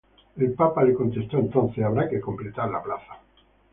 El Papa le contestó "entonces habrá que completar la Plaza".